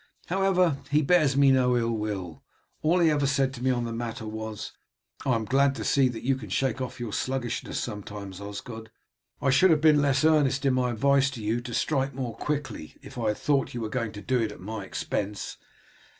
However, he bears me no ill will; all he ever said to me on the matter was, 'I am glad to see that you can shake off your sluggishness sometimes, Osgod; I should have been less earnest in my advice to you to strike more quickly if I had thought that you were going to do it at my expense.